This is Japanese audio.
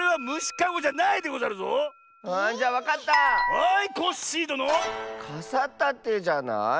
かさたてじゃない？